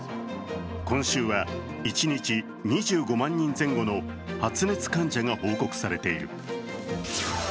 今週は、一日２５万人前後の発熱患者が報告されている。